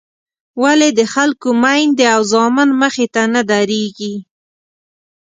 ولې د خلکو میندې او زامن مخې ته نه درېږي.